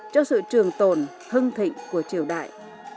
cho sự trường tồn hưng thịnh của triều đại